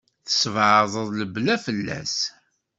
Tesbeɛdeḍ lebla fell-as.